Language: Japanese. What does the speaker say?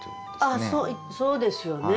ああそうですよね。